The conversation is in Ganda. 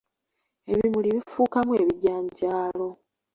Ebimuli bifuukaamu ebijanjaalo.